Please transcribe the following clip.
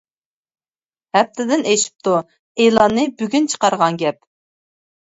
ھەپتىدىن ئېشىپتۇ، ئېلاننى بۈگۈن چىقارغان گەپ.